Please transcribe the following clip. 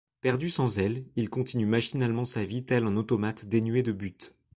Perdu sans elle, il continue machinalement sa vie tel un automate dénué de but.